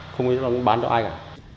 không có đầu da thì không biết bán cho ai cả